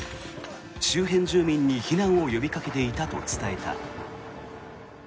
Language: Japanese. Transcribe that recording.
周辺住民に避難を呼びかけていたと伝えた。